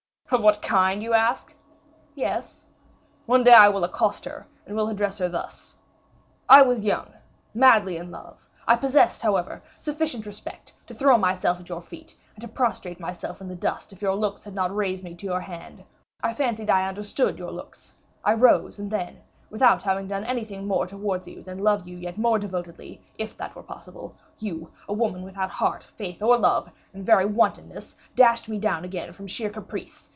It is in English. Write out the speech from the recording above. "Of what kind, you ask?" "Yes." "One day I will accost her, and will address her thus: 'I was young madly in love, I possessed, however, sufficient respect to throw myself at your feet, and to prostrate myself in the dust, if your looks had not raised me to your hand. I fancied I understood your looks, I rose, and then, without having done anything more towards you than love you yet more devotedly, if that were possible you, a woman without heart, faith, or love, in very wantonness, dashed me down again from sheer caprice.